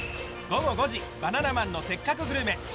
午後５時「バナナマンのせっかくグルメ！！」